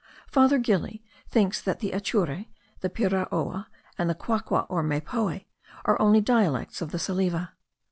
Father Gili thinks that the Ature, the Piraoa, and the Quaqua or Mapoye, are only dialects of the Salive.